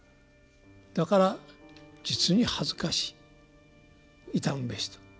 だから実に恥ずかしい傷むべしと。